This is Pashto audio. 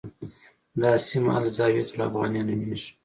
دا سیمه الزاویة الافغانیه نومېږي.